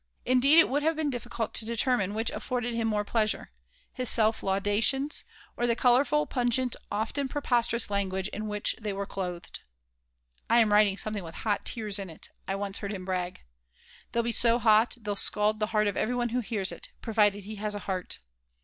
Indeed, it would have been difficult to determine which afforded him more pleasure his self laudations or the colorful, pungent, often preposterous language in which they were clothed "I am writing something with hot tears in it," I once heard him brag. "They'll be so hot they'll scald the heart of every one who hears it, provided he has a heart."